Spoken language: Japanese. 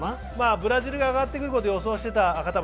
ブラジルが上がってくることを予想していた方も